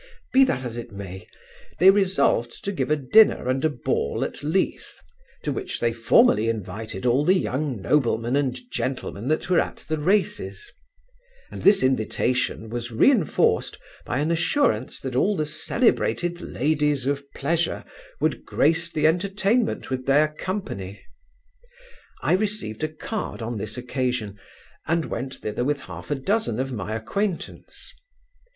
Be that as it may, they resolved to give a dinner and a ball at Leith, to which they formally invited all the young noblemen and gentlemen that were at the races; and this invitation was reinforced by an assurance that all the celebrated ladies of pleasure would grace the entertainment with their company. I received a card on this occasion, and went thither with half a dozen of my acquaintance.